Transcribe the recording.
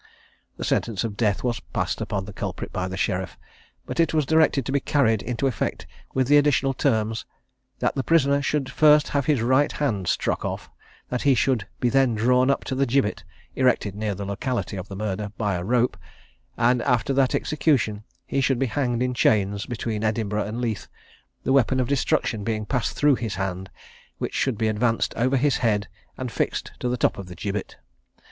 The sentence of death was passed upon the culprit by the sheriff, but it was directed to be carried into effect with the additional terms, that the prisoner should first have his right hand struck off; that he should then be drawn up to the gibbet, erected near the locality of the murder, by a rope; and that after execution, he should be hanged in chains, between Edinburgh and Leith, the weapon of destruction being passed through his hand, which should be advanced over his head, and fixed to the top of the gibbet.